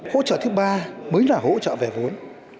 hỗ trợ thứ ba mới là hỗ trợ về vốn